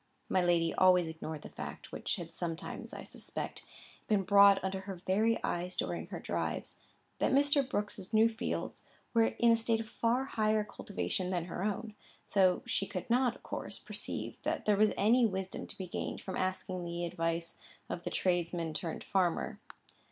My lady always ignored the fact which had sometimes, I suspect, been brought under her very eyes during her drives, that Mr. Brooke's few fields were in a state of far higher cultivation than her own; so she could not, of course, perceive that there was any wisdom to be gained from asking the advice of the tradesman turned farmer.